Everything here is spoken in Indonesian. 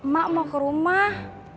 mak mau ke rumah